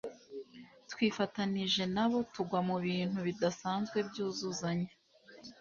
twifatanije nabo tugwa mubintu bidasanzwe byuzuzanya –